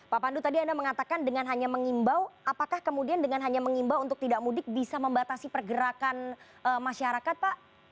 pak pandu tadi anda mengatakan dengan hanya mengimbau apakah kemudian dengan hanya mengimbau untuk tidak mudik bisa membatasi pergerakan masyarakat pak